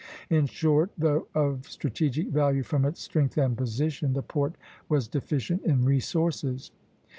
In short, though of strategic value from its strength and position, the port was deficient in resources.